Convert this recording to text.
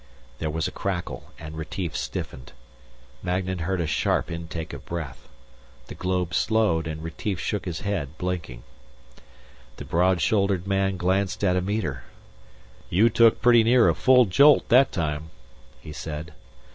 There was a crackle and Retief stiffened. Magnan heard a sharp intake of breath. The globe slowed, and Retief shook his head, blinking. The broad shouldered man glanced at a meter. "You took pretty near a full jolt, that time," he said.